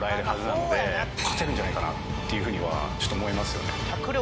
ので勝てるんじゃないかなっていうふうにはちょっと思いますよね